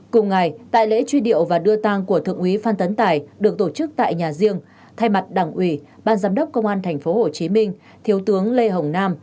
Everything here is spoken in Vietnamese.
cùng ngày tại lễ truy điệu và đưa tang của thượng úy phan tấn tài được tổ chức tại nhà riêng thay mặt đảng ủy ban giám đốc công an tp hcm thiếu tướng lê hồng nam